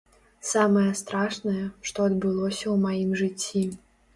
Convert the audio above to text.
Самае страшнае, што адбылося ў маім жыцці.